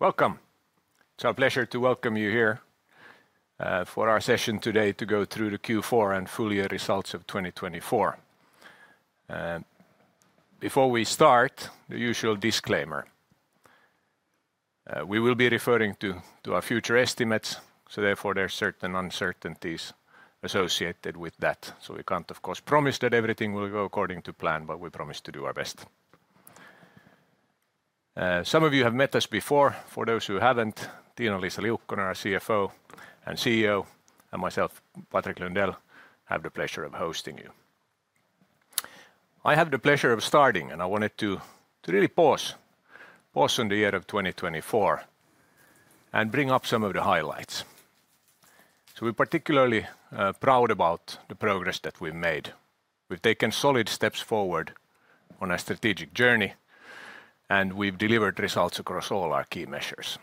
Welcome. It's our pleasure to welcome you here for our session today to go through the Q4 and full year results of 2024. Before we start, the usual disclaimer. We will be referring to our future estimates, so therefore there are certain uncertainties associated with that, so we can't, of course, promise that everything will go according to plan, but we promise to do our best. Some of you have met us before. For those who haven't, Tiina-Liisa Liukkonen, our CFO, and myself, Patrik Lundell, our CEO, have the pleasure of hosting you. I have the pleasure of starting, and I wanted to really pause on the year of 2024 and bring up some of the highlights, so we're particularly proud about the progress that we've made. We've taken solid steps forward on our strategic journey, and we've delivered results across all our key measures.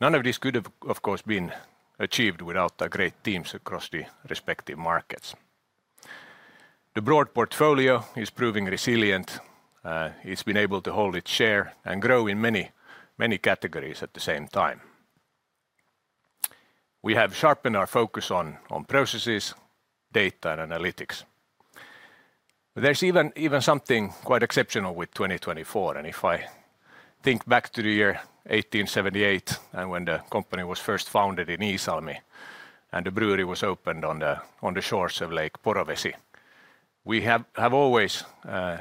None of this could have, of course, been achieved without our great teams across the respective markets. The broad portfolio is proving resilient. It's been able to hold its share and grow in many categories at the same time. We have sharpened our focus on processes, data, and analytics. There's even something quite exceptional with 2024. And if I think back to the year 1878 and when the company was first founded in Iisalmi and the brewery was opened on the shores of Lake Porovesi, we have always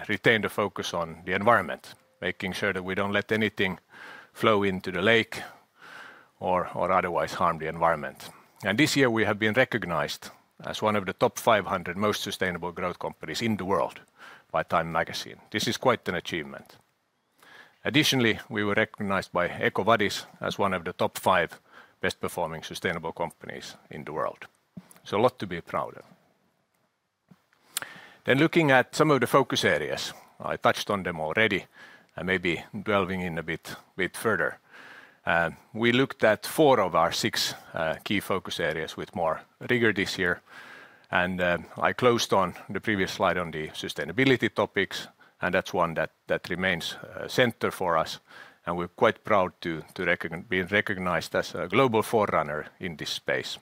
retained a focus on the environment, making sure that we don't let anything flow into the lake or otherwise harm the environment. And this year we have been recognized as one of the top 500 most sustainable growth companies in the world by TIME magazine. This is quite an achievement. Additionally, we were recognized by EcoVadis as one of the top five best performing sustainable companies in the world, so a lot to be proud of. Then looking at some of the focus areas, I touched on them already and maybe delving in a bit further. We looked at four of our six key focus areas with more rigor this year, and I closed on the previous slide on the sustainability topics, and that's one that remains center for us, and we're quite proud to be recognized as a global forerunner in this space.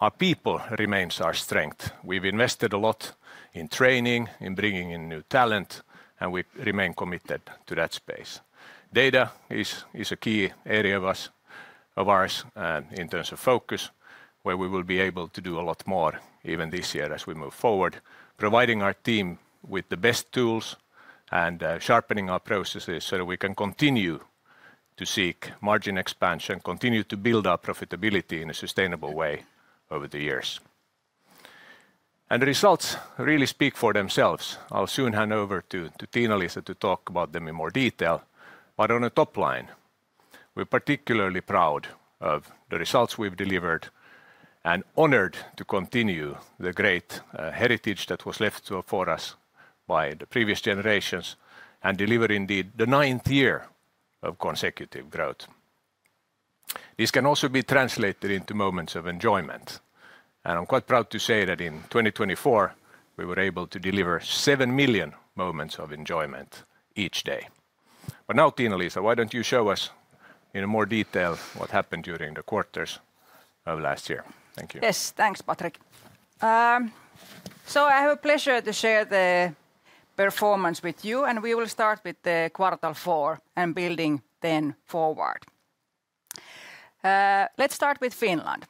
Our people remain our strength. We've invested a lot in training, in bringing in new talent, and we remain committed to that space. Data is a key area of ours in terms of focus, where we will be able to do a lot more even this year as we move forward, providing our team with the best tools and sharpening our processes so that we can continue to seek margin expansion, continue to build our profitability in a sustainable way over the years. And the results really speak for themselves. I'll soon hand over to Tiina-Liisa to talk about them in more detail. But on a top line, we're particularly proud of the results we've delivered and honored to continue the great heritage that was left for us by the previous generations and deliver indeed the ninth year of consecutive growth. This can also be translated into moments of enjoyment. And I'm quite proud to say that in 2024, we were able to deliver 7 million moments of enjoyment each day. But now, Tiina-Liisa, why don't you show us in more detail what happened during the quarters of last year? Thank you. Yes, thanks, Patrik. So I have the pleasure to share the performance with you, and we will start with quarter four and building then forward. Let's start with Finland.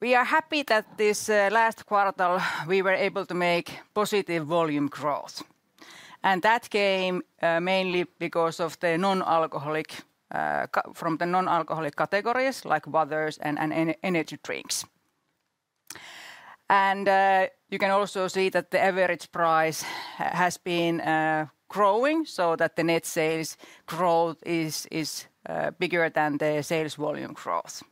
We are happy that this last quarter we were able to make positive volume growth. And that came mainly because of the non-alcoholic categories like waters and energy drinks. And you can also see that the average price has been growing so that the net sales growth is bigger than the sales volume growth.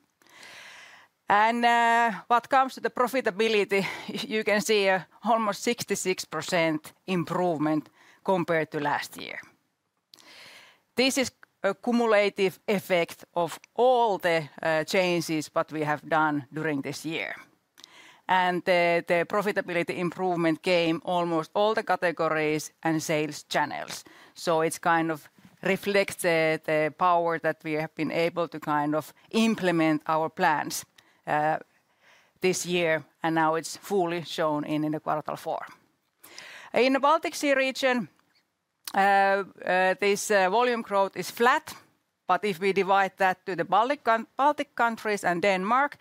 And when it comes to the profitability, you can see almost 66% improvement compared to last year. This is a cumulative effect of all the changes that we have done during this year. And the profitability improvement came from almost all the categories and sales channels. It's kind of reflected the power that we have been able to kind of implement our plans this year, and now it's fully shown in quarter four. In the Baltic Sea region, this volume growth is flat, but if we divide that to the Baltic countries and Denmark,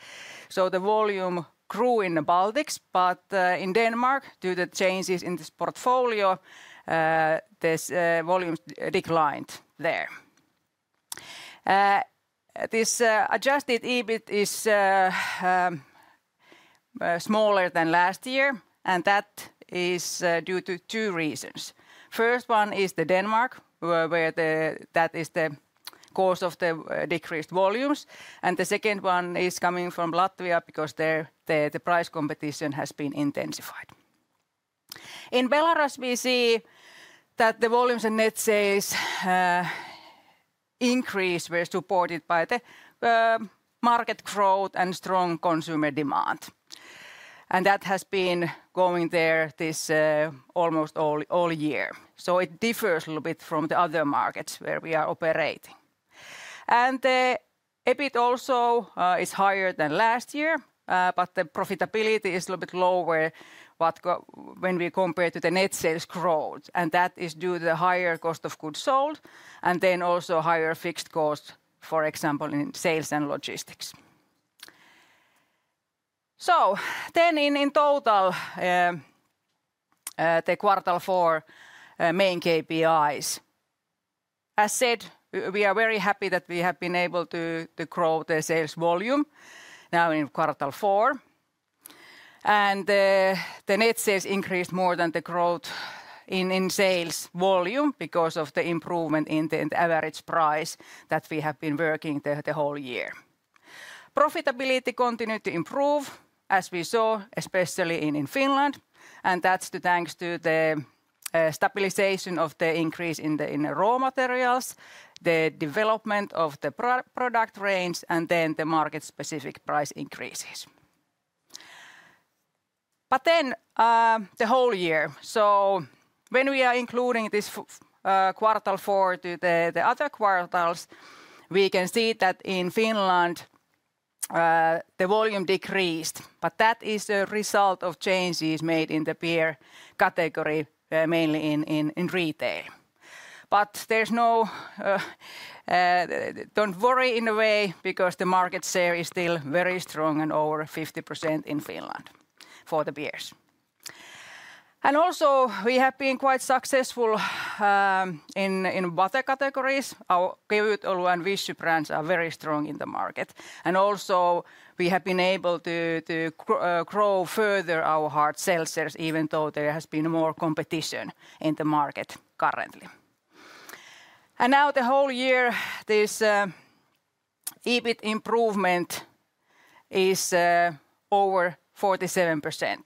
so the volume grew in the Baltics, but in Denmark, due to the changes in this portfolio, this volume declined there. This Adjusted EBIT is smaller than last year, and that is due to two reasons. First one is Denmark, where that is the cause of the decreased volumes, and the second one is coming from Latvia because the price competition has been intensified. In Belarus, we see that the volumes and net sales increase were supported by the market growth and strong consumer demand. That has been going there almost all year. So it differs a little bit from the other markets where we are operating. And the EBIT also is higher than last year, but the profitability is a little bit lower when we compare to the net sales growth. And that is due to the higher cost of goods sold and then also higher fixed costs, for example, in sales and logistics. So then in total, the quarter four main KPIs. As said, we are very happy that we have been able to grow the sales volume now in quarter four. And the net sales increased more than the growth in sales volume because of the improvement in the average price that we have been working the whole year. Profitability continued to improve, as we saw, especially in Finland. That's thanks to the stabilization of the increase in the raw materials, the development of the product range, and then the market-specific price increases. But then the whole year, so when we are including this quarter four to the other quarters, we can see that in Finland the volume decreased, but that is a result of changes made in the beer category, mainly in retail. But there's no, don't worry, in a way because the market share is still very strong and over 50% in Finland for the beers. And also we have been quite successful in water categories. Our KevytOlo and Vichy brands are very strong in the market. And also we have been able to grow further our hard seltzer shares even though there has been more competition in the market currently. And now the whole year, this EBIT improvement is over 47%.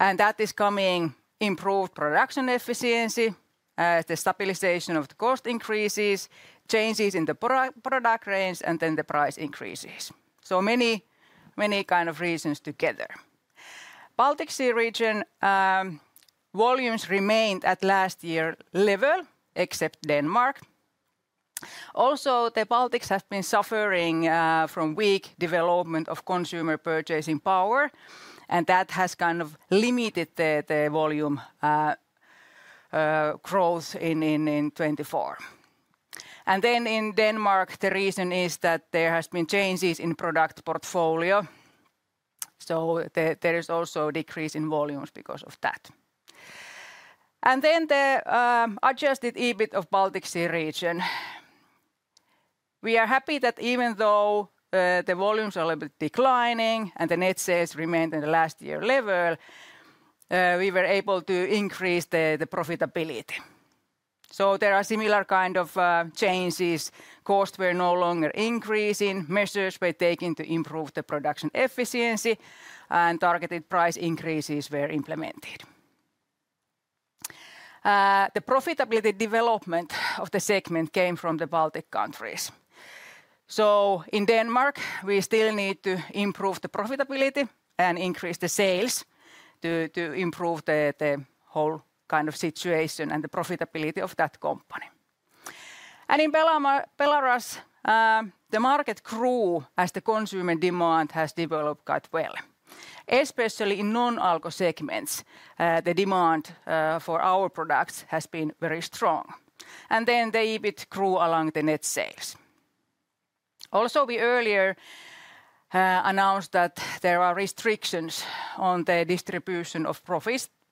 And that is coming from improved production efficiency, the stabilization of the cost increases, changes in the product range, and then the price increases. So many kind of reasons together. Baltic Sea region volumes remained at last year's level, except Denmark. Also the Baltics has been suffering from weak development of consumer purchasing power, and that has kind of limited the volume growth in 2024. And then in Denmark, the reason is that there has been changes in product portfolio. So there is also a decrease in volumes because of that. And then the Adjusted EBIT of Baltic Sea region. We are happy that even though the volumes are a little bit declining and the net sales remained at the last year's level, we were able to increase the profitability. So there are similar kind of changes. Costs were no longer increasing. Measures were taken to improve the production efficiency, and targeted price increases were implemented. The profitability development of the segment came from the Baltic countries. So in Denmark, we still need to improve the profitability and increase the sales to improve the whole kind of situation and the profitability of that company. And in Belarus, the market grew as the consumer demand has developed quite well. Especially in non-alcoholic segments, the demand for our products has been very strong. And then the EBIT grew along the net sales. Also, we earlier announced that there are restrictions on the distribution of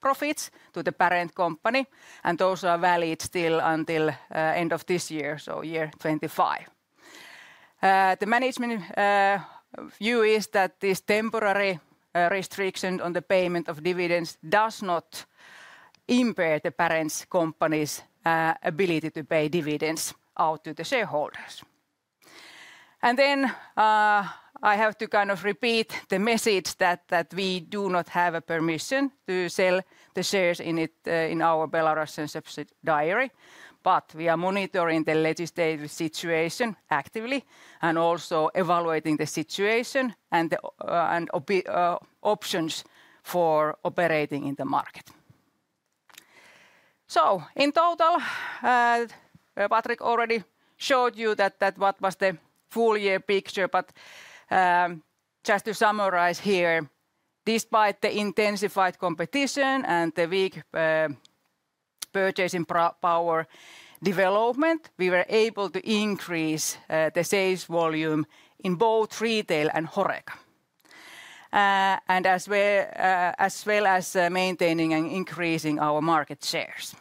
profits to the parent company, and those are valid still until the end of this year, so year 2025. The management view is that this temporary restriction on the payment of dividends does not impair the parent company's ability to pay dividends out to the shareholders. And then I have to kind of repeat the message that we do not have permission to sell the shares in our Belarusian subsidiary. But we are monitoring the legislative situation actively and also evaluating the situation and options for operating in the market. So in total, Patrik already showed you what was the full year picture, but just to summarize here, despite the intensified competition and the weak purchasing power development, we were able to increase the sales volume in both retail and Horeca, as well as maintaining and increasing our market shares.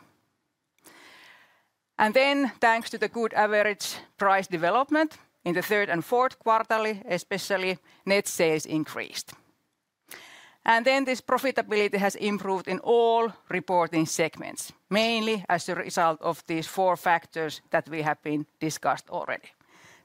And then thanks to the good average price development in the third and fourth quarters, especially net sales increased. And then this profitability has improved in all reporting segments, mainly as a result of these four factors that we have already discussed.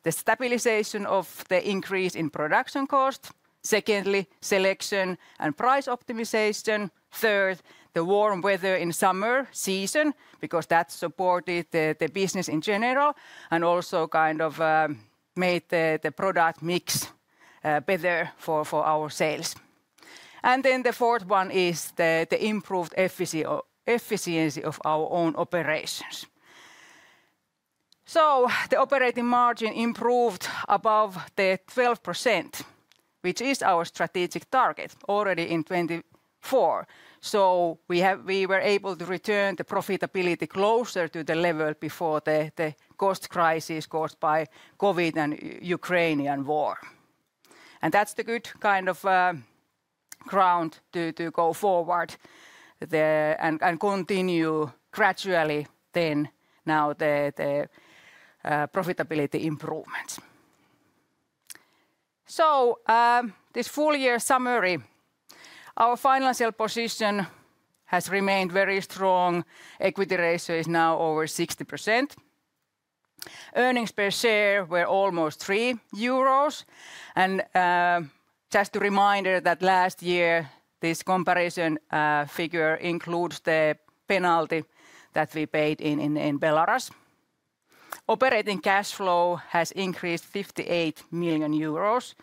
The stabilization of the increase in production cost, secondly, selection and price optimization. Third, the warm weather in summer season because that supported the business in general and also kind of made the product mix better for our sales. And then the fourth one is the improved efficiency of our own operations. So the operating margin improved above the 12%, which is our strategic target already in 2024. So we were able to return the profitability closer to the level before the cost crisis caused by COVID and Ukrainian war. And that's the good kind of ground to go forward and continue gradually then now the profitability improvements. So this full year summary, our financial position has remained very strong. Equity ratio is now over 60%. Earnings per share were almost 3 euros. Just a reminder that last year this comparison figure includes the penalty that we paid in Belarus. Operating cash flow has increased 58 million euros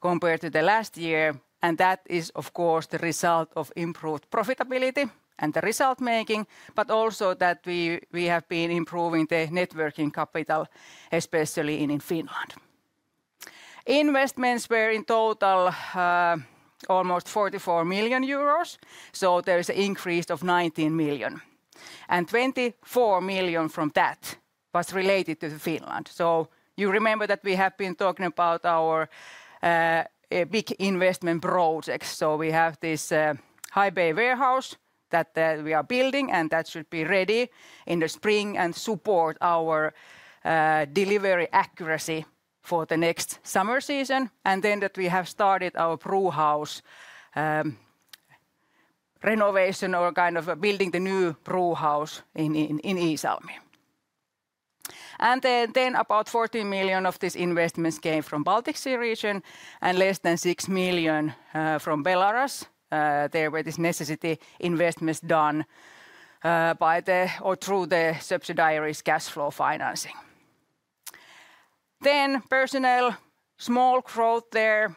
compared to the last year. That is, of course, the result of improved profitability and the result making, but also that we have been improving the net working capital, especially in Finland. Investments were in total almost 44 million euros. There is an increase of 19 million. 24 million from that was related to Finland. You remember that we have been talking about our big investment projects. We have this high-bay warehouse that we are building and that should be ready in the spring and support our delivery accuracy for the next summer season. That we have started our brewhouse renovation or kind of building the new brewhouse in Iisalmi. And then about 40 million of these investments came from Baltic Sea region and less than 6 million from Belarus. There were these necessary investments done by or through the subsidiaries' cash flow financing. Then personnel, small growth there.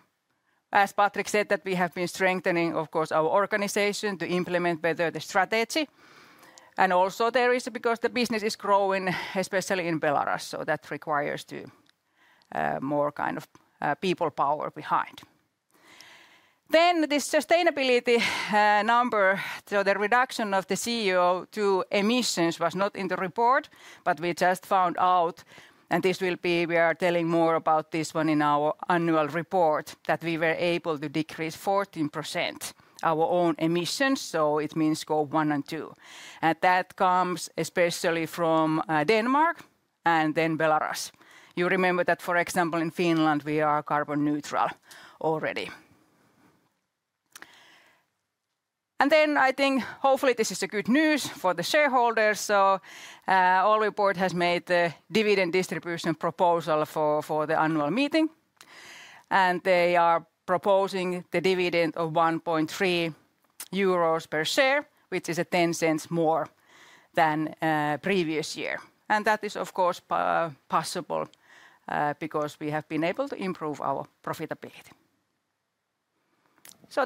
As Patrik said, that we have been strengthening, of course, our organization to implement better the strategy. And also there is because the business is growing, especially in Belarus. So that requires more kind of people power behind. Then this sustainability number, so the reduction of the CO2 emissions was not in the report, but we just found out. And this will be we are telling more about this one in our annual report that we were able to decrease 14% our own emissions. So it means Scope 1 and 2. And that comes especially from Denmark and then Belarus. You remember that, for example, in Finland we are carbon neutral already. Then I think hopefully this is good news for the shareholders. The Board has made the dividend distribution proposal for the annual meeting. They are proposing the dividend of 1.3 euros per share, which is 0.10 more than previous year. That is, of course, possible because we have been able to improve our profitability.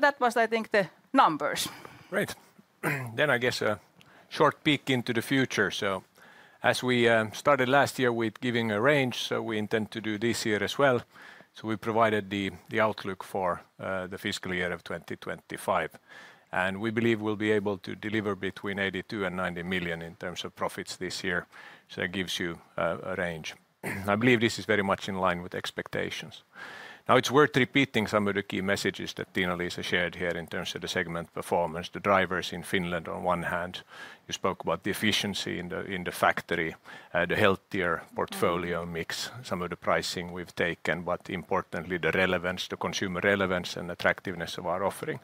That was, I think, the numbers. Great. I guess a short peek into the future. As we started last year with giving a range, we intend to do this year as well. We provided the outlook for the fiscal year of 2025. We believe we'll be able to deliver between 82 million and 90 million in terms of profits this year. It gives you a range. I believe this is very much in line with expectations. Now it's worth repeating some of the key messages that Tiina-Liisa shared here in terms of the segment performance. The drivers in Finland on one hand, you spoke about the efficiency in the factory, the healthier portfolio mix, some of the pricing we've taken, but importantly the relevance, the consumer relevance and attractiveness of our offering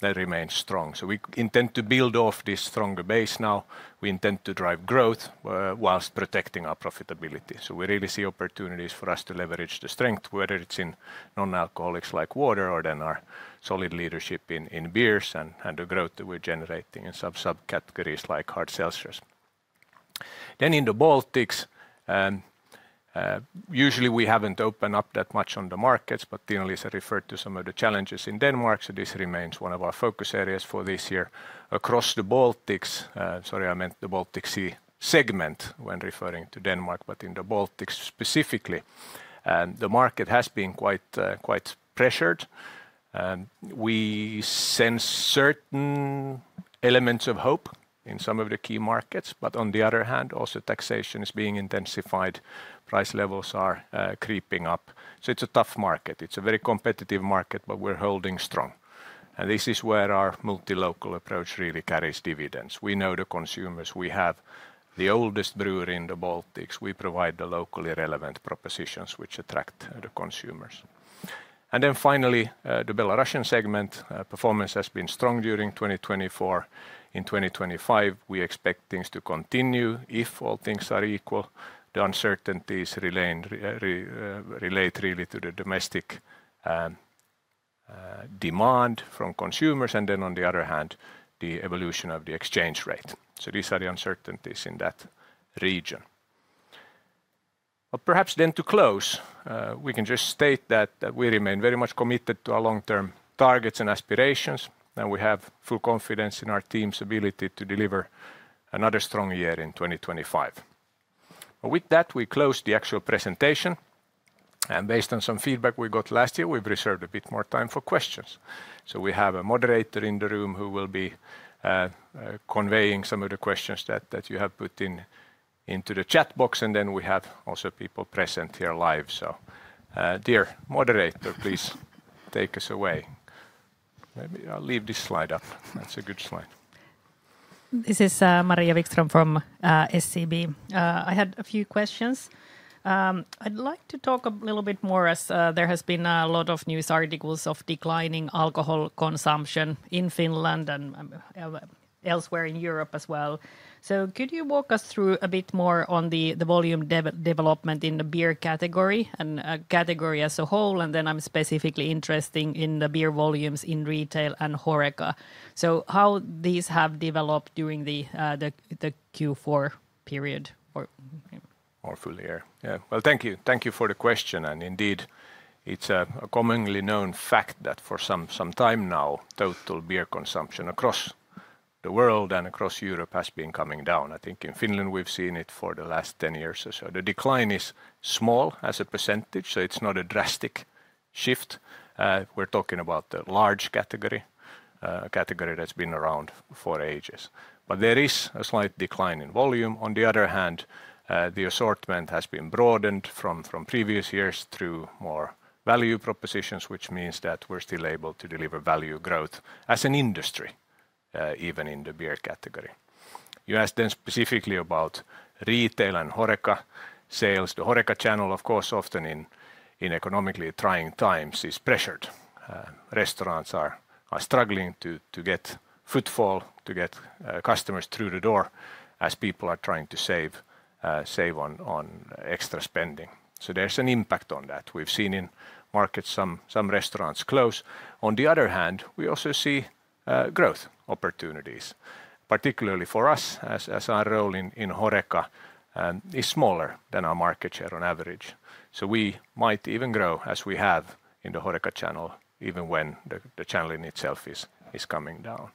that remains strong. So we intend to build off this stronger base now. We intend to drive growth whilst protecting our profitability. So we really see opportunities for us to leverage the strength, whether it's in non-alcoholics like water or then our solid leadership in beers and the growth that we're generating in some subcategories like hard seltzers. Then in the Baltics, usually we haven't opened up that much on the markets, but Tiina-Liisa referred to some of the challenges in Denmark. So this remains one of our focus areas for this year across the Baltics. Sorry, I meant the Baltic Sea segment when referring to Denmark, but in the Baltics specifically. And the market has been quite pressured. We sense certain elements of hope in some of the key markets, but on the other hand, also taxation is being intensified. Price levels are creeping up. So it's a tough market. It's a very competitive market, but we're holding strong. And this is where our multilocal approach really carries dividends. We know the consumers. We have the oldest brewery in the Baltics. We provide the locally relevant propositions which attract the consumers. And then finally, the Belarusian segment performance has been strong during 2024. In 2025, we expect things to continue if all things are equal. The uncertainties relate really to the domestic demand from consumers. And then, on the other hand, the evolution of the exchange rate. So these are the uncertainties in that region. But perhaps then to close, we can just state that we remain very much committed to our long-term targets and aspirations. And we have full confidence in our team's ability to deliver another strong year in 2025. With that, we close the actual presentation. And based on some feedback we got last year, we've reserved a bit more time for questions. So we have a moderator in the room who will be conveying some of the questions that you have put into the chat box. And then we have also people present here live. So dear moderator, please take us away. Maybe I'll leave this slide up. That's a good slide. This is Maria Wikström from SEB. I had a few questions. I'd like to talk a little bit more as there has been a lot of news articles of declining alcohol consumption in Finland and elsewhere in Europe as well. So could you walk us through a bit more on the volume development in the beer category and category as a whole? And then I'm specifically interested in the beer volumes in retail and Horeca. So how these have developed during the Q4 period or full year? Yeah. Well, thank you. Thank you for the question. And indeed, it's a commonly known fact that for some time now, total beer consumption across the world and across Europe has been coming down. I think in Finland we've seen it for the last 10 years or so. The decline is small as a percentage, so it's not a drastic shift. We're talking about the large category that's been around for ages. But there is a slight decline in volume. On the other hand, the assortment has been broadened from previous years through more value propositions, which means that we're still able to deliver value growth as an industry, even in the beer category. You asked then specifically about retail and Horeca sales. The Horeca channel, of course, often in economically trying times is pressured. Restaurants are struggling to get footfall, to get customers through the door as people are trying to save on extra spending. So there's an impact on that. We've seen in markets some restaurants close. On the other hand, we also see growth opportunities. Particularly for us, as our role in Horeca is smaller than our market share on average. So we might even grow as we have in the Horeca channel, even when the channel in itself is coming down.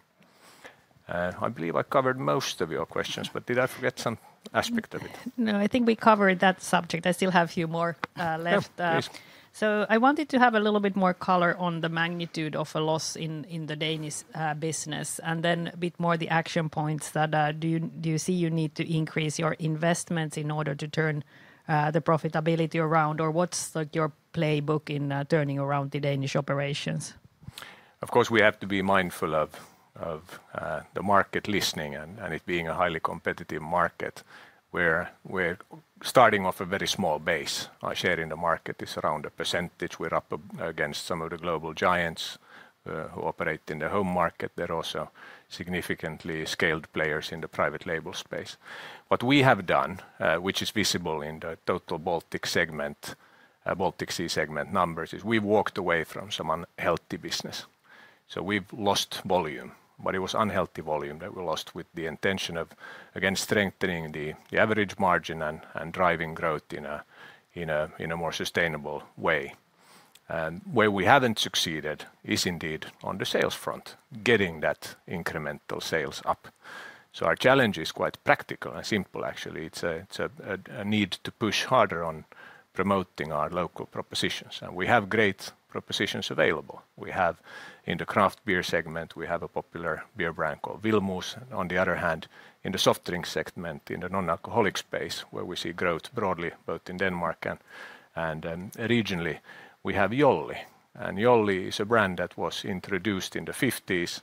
I believe I covered most of your questions, but did I forget some aspect of it? No, I think we covered that subject. I still have a few more left. So I wanted to have a little bit more color on the magnitude of a loss in the Danish business and then a bit more the action points that do you see you need to increase your investments in order to turn the profitability around or what's your playbook in turning around the Danish operations? Of course, we have to be mindful of the market listening and it being a highly competitive market where we're starting off a very small base. Our share in the market is around a percentage. We're up against some of the global giants who operate in the home market. There are also significantly scaled players in the private label space. What we have done, which is visible in the total Baltic Sea segment numbers, is we've walked away from some unhealthy business. So we've lost volume, but it was unhealthy volume that we lost with the intention of, again, strengthening the average margin and driving growth in a more sustainable way. Where we haven't succeeded is indeed on the sales front, getting that incremental sales up. So our challenge is quite practical and simple, actually. It's a need to push harder on promoting our local propositions. And we have great propositions available. We have in the craft beer segment, we have a popular beer brand called Willemoes. On the other hand, in the soft drink segment, in the non-alcoholic space, where we see growth broadly, both in Denmark and regionally, we have Jolly. Jolly is a brand that was introduced in the 1950s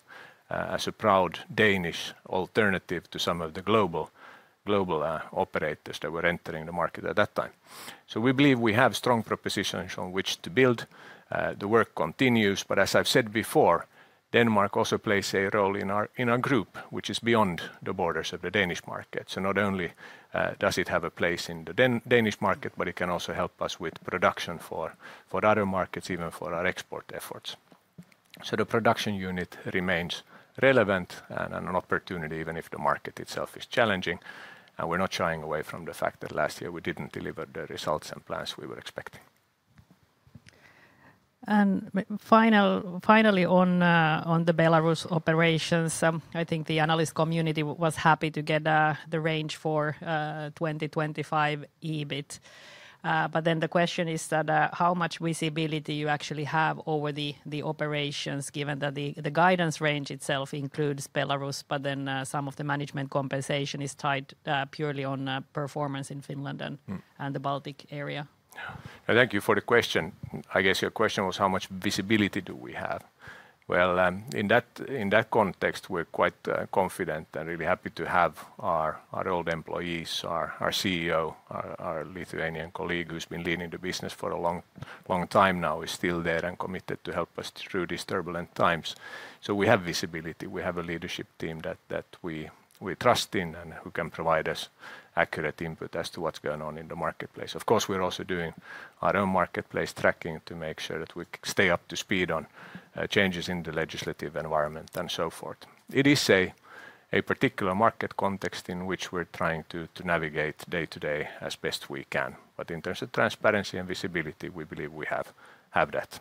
as a proud Danish alternative to some of the global operators that were entering the market at that time. So we believe we have strong propositions on which to build. The work continues. But as I've said before, Denmark also plays a role in our group, which is beyond the borders of the Danish market. So not only does it have a place in the Danish market, but it can also help us with production for other markets, even for our export efforts. So the production unit remains relevant and an opportunity even if the market itself is challenging. And we're not shying away from the fact that last year we didn't deliver the results and plans we were expecting. And finally, on the Belarus operations, I think the analyst community was happy to get the range for 2025 EBIT. But then the question is that how much visibility you actually have over the operations, given that the guidance range itself includes Belarus, but then some of the management compensation is tied purely on performance in Finland and the Baltic area. Thank you for the question. I guess your question was how much visibility do we have? Well, in that context, we're quite confident and really happy to have our old employees, our CEO, our Lithuanian colleague who's been leading the business for a long time now, is still there and committed to help us through these turbulent times. So we have visibility. We have a leadership team that we trust in and who can provide us accurate input as to what's going on in the marketplace. Of course, we're also doing our own marketplace tracking to make sure that we stay up to speed on changes in the legislative environment and so forth. It is a particular market context in which we're trying to navigate day to day as best we can. But in terms of transparency and visibility, we believe we have that.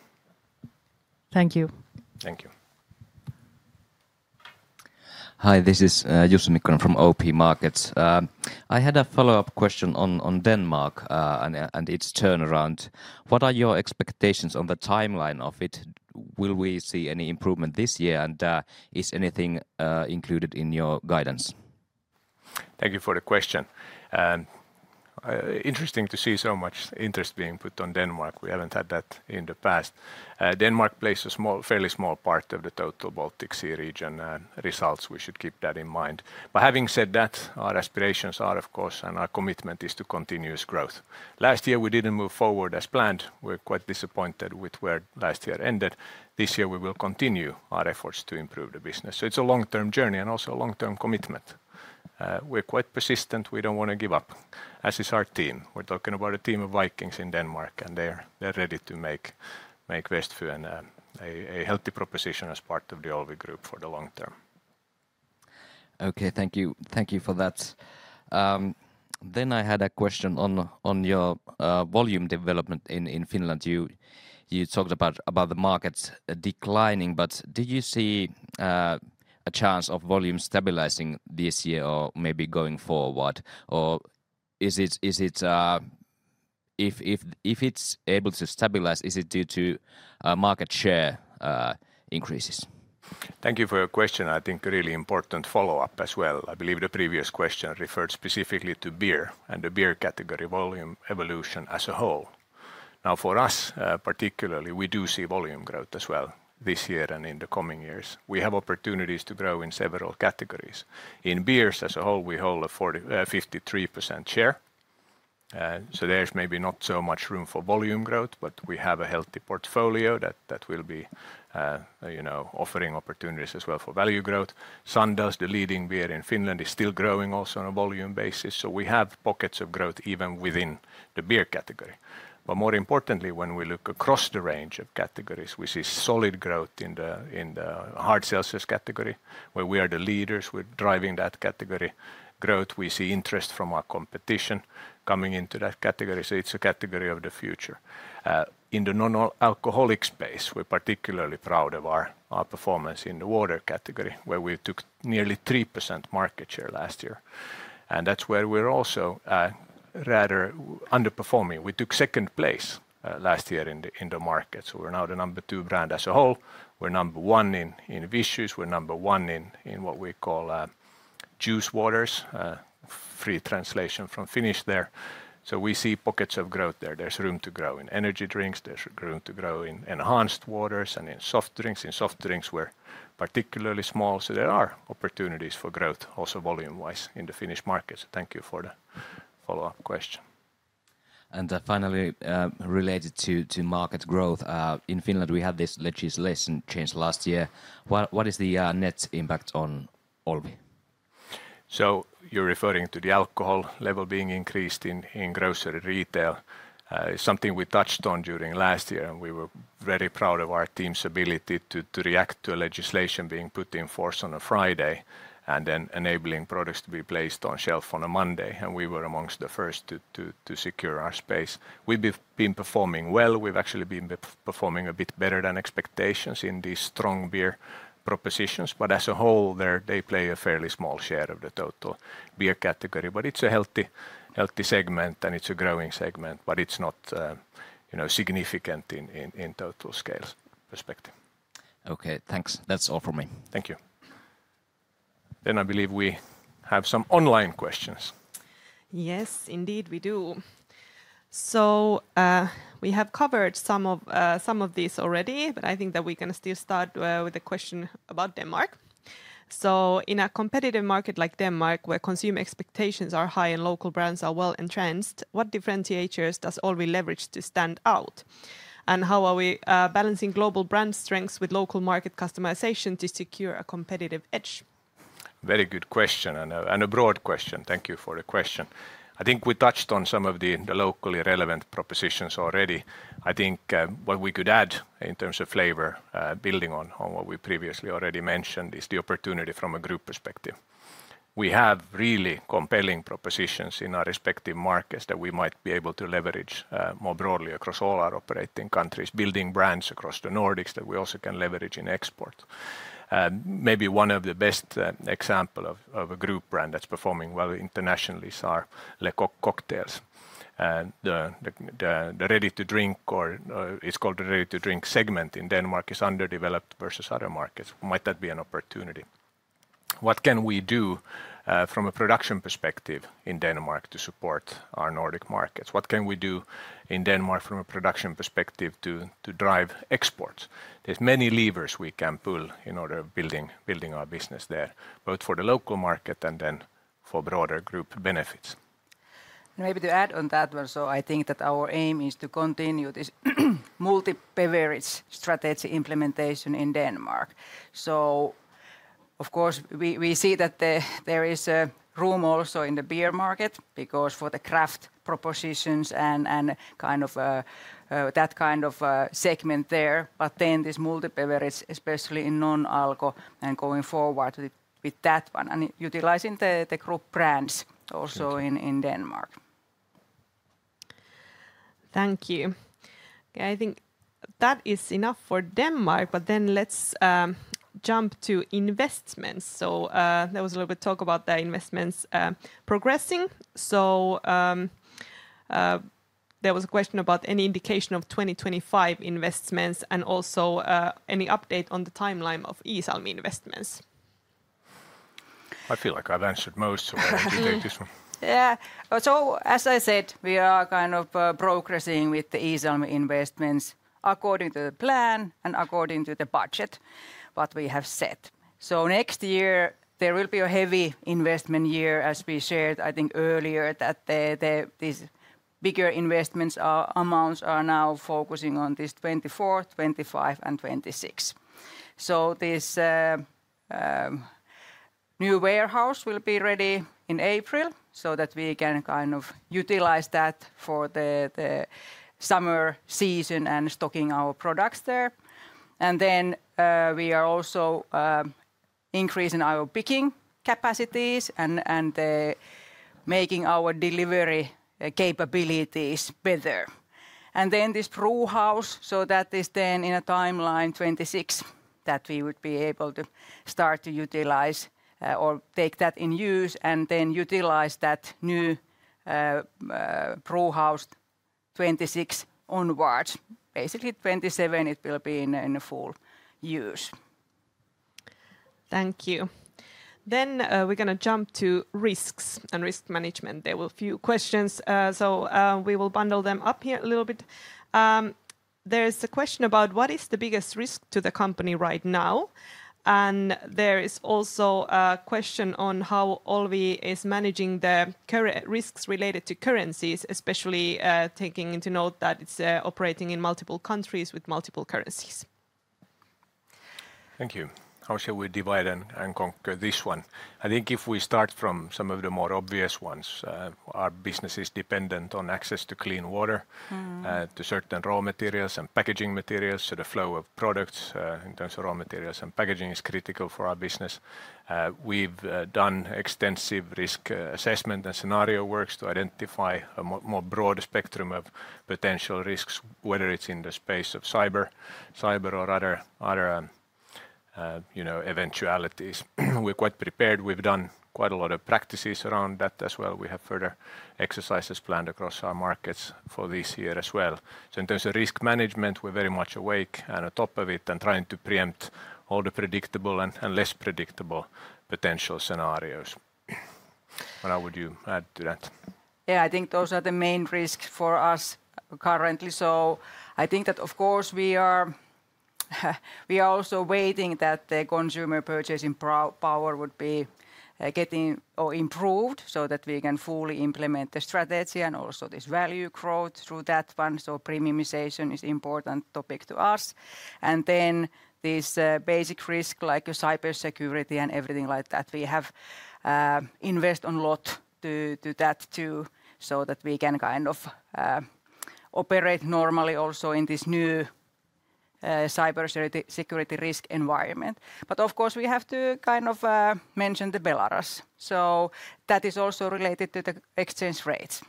Thank you. Thank you. Hi, this is Jussi Mikkonen from OP Markets. I had a follow-up question on Denmark and its turnaround. What are your expectations on the timeline of it? Will we see any improvement this year? And is anything included in your guidance? Thank you for the question. Interesting to see so much interest being put on Denmark. We haven't had that in the past. Denmark plays a fairly small part of the total Baltic Sea region results. We should keep that in mind. But having said that, our aspirations are, of course, and our commitment is to continuous growth. Last year, we didn't move forward as planned. We're quite disappointed with where last year ended. This year, we will continue our efforts to improve the business. So it's a long-term journey and also a long-term commitment. We're quite persistent. We don't want to give up, as is our team. We're talking about a team of Vikings in Denmark, and they're ready to make Vestfyen a healthy proposition as part of the Olvi Group for the long term. Okay, thank you for that. Then I had a question on your volume development in Finland. You talked about the markets declining, but do you see a chance of volume stabilizing this year or maybe going forward? Or if it's able to stabilize, is it due to market share increases? Thank you for your question. I think really important follow-up as well. I believe the previous question referred specifically to beer and the beer category volume evolution as a whole. Now, for us particularly, we do see volume growth as well this year and in the coming years. We have opportunities to grow in several categories. In beers as a whole, we hold a 53% share. So there's maybe not so much room for volume growth, but we have a healthy portfolio that will be offering opportunities as well for value growth. Sandels, the leading beer in Finland, is still growing also on a volume basis. So we have pockets of growth even within the beer category. But more importantly, when we look across the range of categories, we see solid growth in the hard seltzers category, where we are the leaders. We're driving that category growth. We see interest from our competition coming into that category. So it's a category of the future. In the non-alcoholic space, we're particularly proud of our performance in the water category, where we took nearly 3% market share last year. And that's where we're also rather underperforming. We took second place last year in the market. So we're now the number two brand as a whole. We're number one in Vichys. We're number one in what we call juice waters, free translation from Finnish there. So we see pockets of growth there. There's room to grow in energy drinks. There's room to grow in enhanced waters and in soft drinks. In soft drinks, we're particularly small. So there are opportunities for growth, also volume-wise, in the Finnish market. So thank you for the follow-up question. And finally, related to market growth, in Finland, we had this legislation changed last year. What is the net impact on Olvi? So you're referring to the alcohol level being increased in grocery retail. It's something we touched on during last year, and we were very proud of our team's ability to react to a legislation being put in force on a Friday and then enabling products to be placed on shelf on a Monday. And we were among the first to secure our space. We've been performing well. We've actually been performing a bit better than expectations in these strong beer propositions. But as a whole, they play a fairly small share of the total beer category. But it's a healthy segment, and it's a growing segment, but it's not significant in total scale perspective. Okay, thanks. That's all from me. Thank you. Then I believe we have some online questions. Yes, indeed, we do. We have covered some of these already, but I think that we can still start with a question about Denmark. In a competitive market like Denmark, where consumer expectations are high and local brands are well entrenched, what differentiators does Olvi leverage to stand out? And how are we balancing global brand strengths with local market customization to secure a competitive edge? Very good question and a broad question. Thank you for the question. I think we touched on some of the locally relevant propositions already. I think what we could add in terms of flavor, building on what we previously already mentioned, is the opportunity from a group perspective. We have really compelling propositions in our respective markets that we might be able to leverage more broadly across all our operating countries, building brands across the Nordics that we also can leverage in export. Maybe one of the best examples of a group brand that's performing well internationally is our A. Le Coq Cocktails. The ready-to-drink, or it's called the ready-to-drink segment in Denmark, is underdeveloped versus other markets. Might that be an opportunity? What can we do from a production perspective in Denmark to support our Nordic markets? What can we do in Denmark from a production perspective to drive exports? There's many levers we can pull in order of building our business there, both for the local market and then for broader group benefits. Maybe to add on that one, so I think that our aim is to continue this multi-beverage strategy implementation in Denmark. So of course, we see that there is room also in the beer market because for the craft propositions and kind of that kind of segment there. But then this multi-beverage, especially in non-alcohol, and going forward with that one and utilizing the group brands also in Denmark. Thank you. I think that is enough for Denmark, but then let's jump to investments. There was a little bit of talk about the investments progressing. There was a question about any indication of 2025 investments and also any update on the timeline of Iisalmi investments. I feel like I've answered most, so I'll take this one. Yeah. As I said, we are kind of progressing with the Iisalmi investments according to the plan and according to the budget, what we have set. Next year, there will be a heavy investment year, as we shared, I think, earlier that these bigger investment amounts are now focusing on these 2024, 2025, and 2026. So this new warehouse will be ready in April so that we can kind of utilize that for the summer season and stocking our products there. And then we are also increasing our picking capacities and making our delivery capabilities better. And then this brewhouse, so that is then in a timeline 2026 that we would be able to start to utilize or take that in use and then utilize that new brewhouse 2026 onwards. Basically, 2027, it will be in full use. Thank you. Then we're going to jump to risks and risk management. There were a few questions, so we will bundle them up here a little bit. There's a question about what is the biggest risk to the company right now. There is also a question on how Olvi is managing the risks related to currencies, especially taking into note that it's operating in multiple countries with multiple currencies. Thank you. How shall we divide and conquer this one? I think if we start from some of the more obvious ones, our business is dependent on access to clean water, to certain raw materials and packaging materials. The flow of products in terms of raw materials and packaging is critical for our business. We've done extensive risk assessment and scenario works to identify a more broad spectrum of potential risks, whether it's in the space of cyber or other eventualities. We're quite prepared. We've done quite a lot of practices around that as well. We have further exercises planned across our markets for this year as well. So in terms of risk management, we're very much awake and on top of it and trying to preempt all the predictable and less predictable potential scenarios. What would you add to that? Yeah, I think those are the main risks for us currently. So I think that, of course, we are also waiting that the consumer purchasing power would be getting improved so that we can fully implement the strategy and also this value growth through that one. So premiumization is an important topic to us. And then these basic risks like cybersecurity and everything like that, we have invested a lot to that too so that we can kind of operate normally also in this new cybersecurity risk environment. But of course, we have to kind of mention the Belarus. So that is also related to the exchange rates.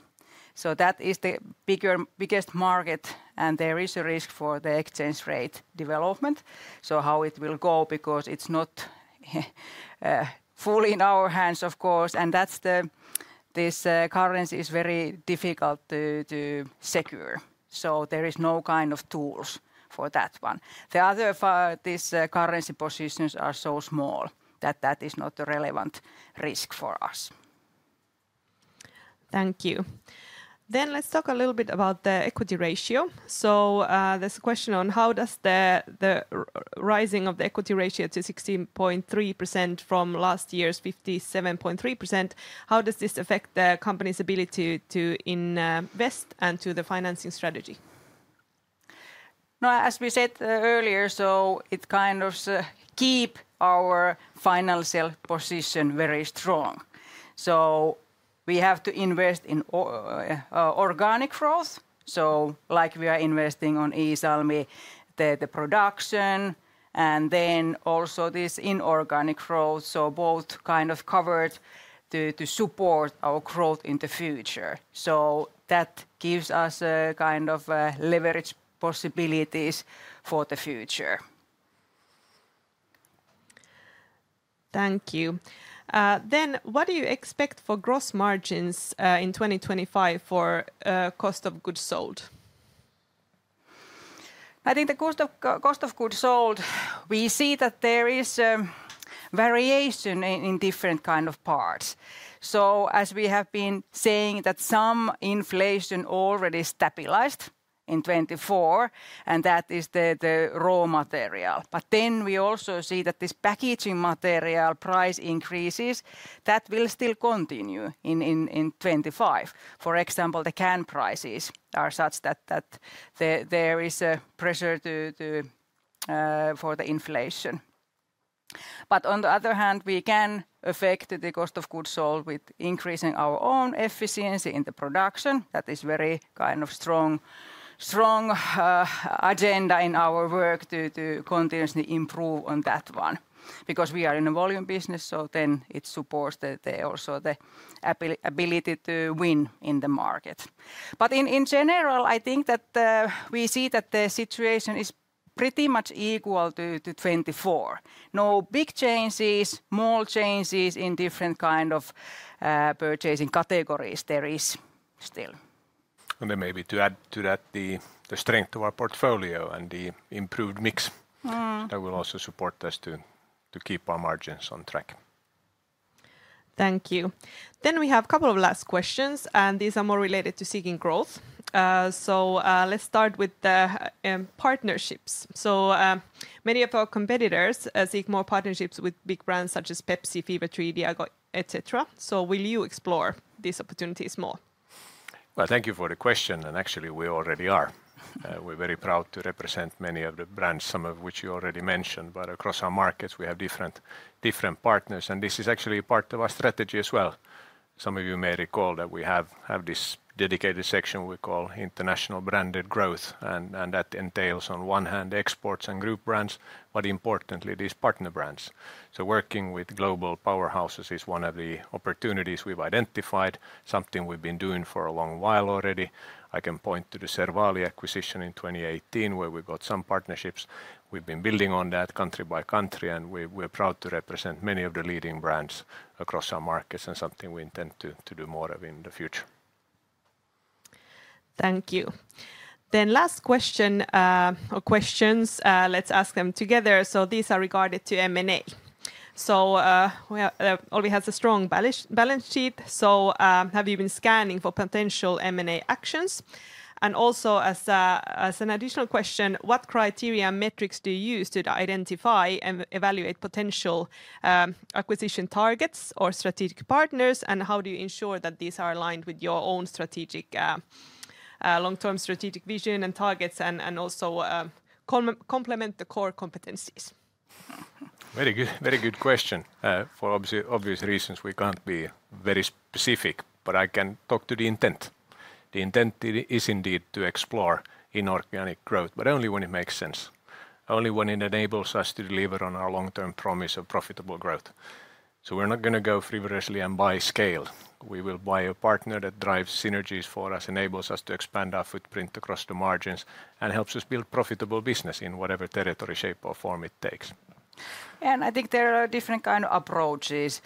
That is the biggest market, and there is a risk for the exchange rate development, so how it will go because it's not fully in our hands, of course. And that's this currency is very difficult to secure. So there is no kind of tools for that one. The other of these currency positions are so small that that is not a relevant risk for us. Thank you. Then let's talk a little bit about the equity ratio. There's a question on how does the rising of the equity ratio to 16.3% from last year's 57.3%, how does this affect the company's ability to invest and to the financing strategy? As we said earlier, so it kind of keeps our financial position very strong. So we have to invest in organic growth. So like we are investing in Iisalmi, the production, and then also this inorganic growth. So both kind of covered to support our growth in the future. So that gives us kind of leverage possibilities for the future. Thank you. Then what do you expect for gross margins in 2025 for cost of goods sold? I think the cost of goods sold, we see that there is variation in different kind of parts. So as we have been saying that some inflation already stabilized in 2024, and that is the raw material. But then we also see that this packaging material price increases that will still continue in 2025. For example, the can prices are such that there is a pressure for the inflation. But on the other hand, we can affect the cost of goods sold with increasing our own efficiency in the production. That is a very kind of strong agenda in our work to continuously improve on that one because we are in a volume business. So then it supports also the ability to win in the market. But in general, I think that we see that the situation is pretty much equal to 2024. No big changes, small changes in different kind of purchasing categories there is still. And then maybe to add to that the strength of our portfolio and the improved mix that will also support us to keep our margins on track. Thank you. Then we have a couple of last questions, and these are more related to seeking growth. So let's start with the partnerships. So many of our competitors seek more partnerships with big brands such as Pepsi, Fever-Tree, Diageo, etc. So will you explore these opportunities more? Well, thank you for the question. Actually, we already are. We're very proud to represent many of the brands, some of which you already mentioned. Across our markets, we have different partners, and this is actually part of our strategy as well. Some of you may recall that we have this dedicated section we call international branded growth, and that entails on one hand exports and group brands, but importantly, these partner brands. Working with global powerhouses is one of the opportunities we've identified, something we've been doing for a long while already. I can point to the Servaali acquisition in 2018 where we got some partnerships. We've been building on that country by country, and we're proud to represent many of the leading brands across our markets and something we intend to do more of in the future. Thank you. Last question or questions, let's ask them together. These are related to M&A. Olvi has a strong balance sheet. Have you been scanning for potential M&A actions? And also as an additional question, what criteria and metrics do you use to identify and evaluate potential acquisition targets or strategic partners, and how do you ensure that these are aligned with your own long-term strategic vision and targets and also complement the core competencies? Very good question. For obvious reasons, we can't be very specific, but I can talk to the intent. The intent is indeed to explore inorganic growth, but only when it makes sense, only when it enables us to deliver on our long-term promise of profitable growth. We're not going to go frivolously and buy scale. We will buy a partner that drives synergies for us, enables us to expand our footprint across the markets, and helps us build profitable business in whatever territory shape or form it takes. and I think there are different kinds of approaches.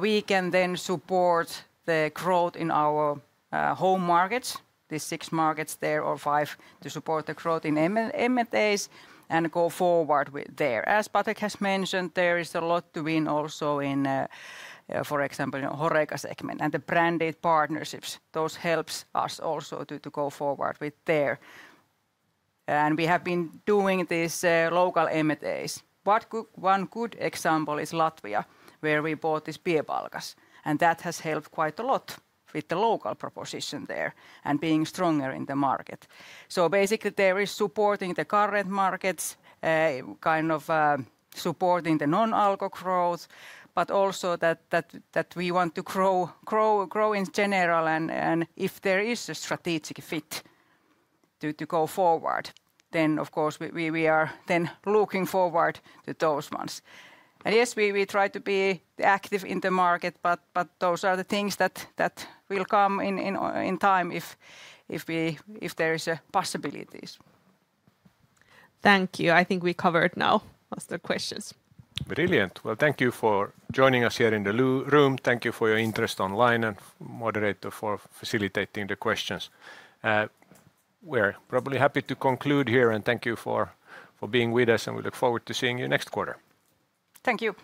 We can then support the growth in our home markets, the six markets there or five to support the growth in M&As and go forward there. As Patrik has mentioned, there is a lot to win also in, for example, the Horeca segment and the branded partnerships. Those help us also to go forward with there, and we have been doing these local M&As. One good example is Latvia, where we bought this Piebalgas, and that has helped quite a lot with the local proposition there and being stronger in the market. So basically, there is supporting the current markets, kind of supporting the non-alcohol growth, but also that we want to grow in general. And if there is a strategic fit to go forward, then of course we are then looking forward to those ones. And yes, we try to be active in the market, but those are the things that will come in time if there are possibilities. Thank you. I think we covered now most of the questions. Brilliant. Well, thank you for joining us here in the room. Thank you for your interest online and moderator for facilitating the questions. We're probably happy to conclude here, and thank you for being with us, and we look forward to seeing you next quarter. Thank you.